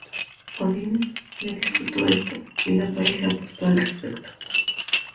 Odín le disputó esto, y la pareja apostó al respecto.